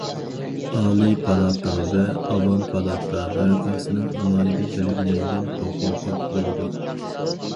ئالىي پالاتا ۋە ئاۋام پالاتا ھەرقايسىنىڭ ئالاھىدە بەلگىلەنگەن ھوقۇقى بولىدۇ.